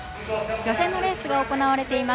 予選のレースが行われています